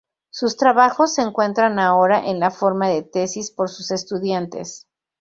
Sus trabajos se encuentran ahora en la forma de tesis por sus estudiantes.